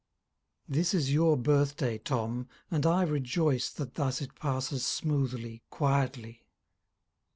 This is your birth day Tom, and I rejoice That thus it passes smoothly, quietly.